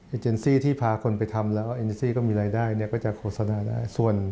เจนซี่ที่พาคนไปทำแล้วเอ็นซี่ก็มีรายได้เนี่ยก็จะโฆษณาได้